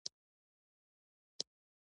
تر ډوډۍ خوړلو وروسته ځینو نجونو ایس کریم وغوښت.